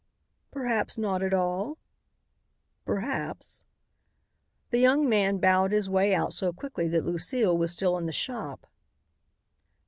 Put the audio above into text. "Perhaps not at all?" "Perhaps." The young man bowed his way out so quickly that Lucile was still in the shop.